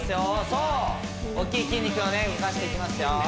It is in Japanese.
そう大きい筋肉を動かしていきますよ